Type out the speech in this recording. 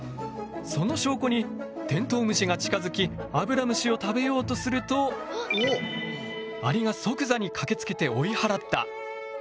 その証拠にテントウムシが近づきアブラムシを食べようとするとアリが即座にかけつけて追い払った。